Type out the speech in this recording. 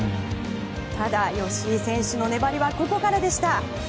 ただ、吉居選手の粘りはここからでした。